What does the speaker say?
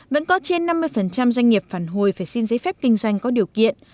vẫn có trên năm mươi doanh nghiệp phản hồi phải xin giấy phép kinh doanh có điều kiện